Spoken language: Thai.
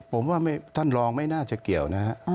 ผมว่าท่านรองไม่น่าจะเกี่ยวนะฮะ